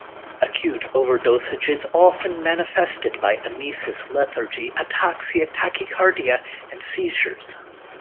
Acute overdosage is often manifested by emesis, lethargy, ataxia, tachycardia and seizures.